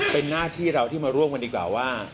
เป็นหน้าที่เราที่มาร่วมกันดีกว่าว่า